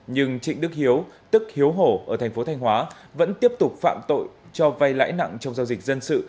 nhưng trịnh đức hiếu tức hiếu hổ ở thành phố thanh hóa vẫn tiếp tục phạm tội cho vay lãi nặng trong giao dịch dân sự